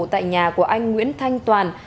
tại nhà của anh nguyễn thanh toàn